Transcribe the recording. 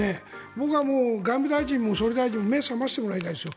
僕は外務大臣も総理大臣も目を覚ましてもらいたいです。